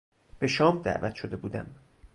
به شام دعوت شده بودم.